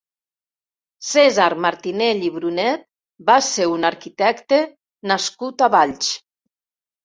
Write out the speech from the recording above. Cèsar Martinell i Brunet va ser un arquitecte nascut a Valls.